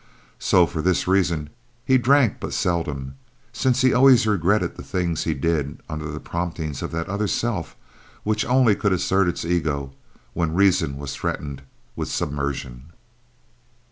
So, for this reason, he drank but seldom since he always regretted the things he did under the promptings of that other self which only could assert its ego when reason was threatened with submersion.